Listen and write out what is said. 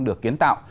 và được kiến tạo